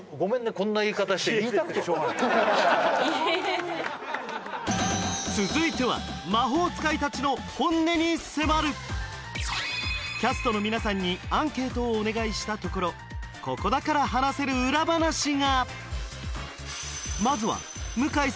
こんな言い方して続いては魔法使い達の本音に迫るキャストの皆さんにアンケートをお願いしたところここだから話せる裏話が！